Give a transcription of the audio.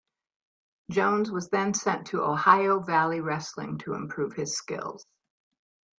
Jones was then sent to Ohio Valley Wrestling to improve his skills.